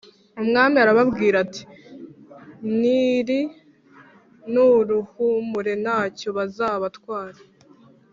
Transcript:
umwami arababwira ati: «nirnuhumure nta cyo bazabatwara !»